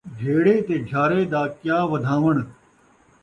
جھیڑے تے جھارے دا کیا ودھاوݨ